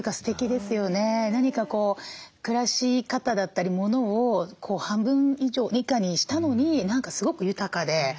何か暮らし方だったり物を半分以下にしたのに何かすごく豊かで。